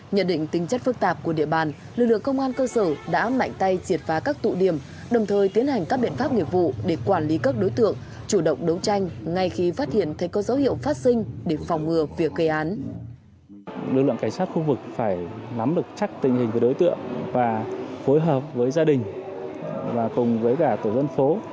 nhận định tính chất phức tạp của địa bàn lực lượng công an cơ sở đã mạnh tay triệt phá các tụ điểm đồng thời tiến hành các biện pháp nghiệp vụ để quản lý các đối tượng chủ động đấu tranh ngay khi phát hiện thấy có dấu hiệu phát sinh để phòng ngừa việc gây án